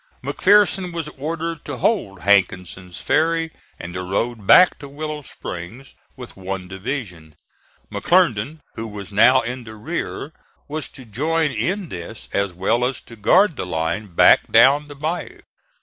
McPherson was ordered to hold Hankinson's ferry and the road back to Willow Springs with one division; McClernand, who was now in the rear, was to join in this as well as to guard the line back down the bayou.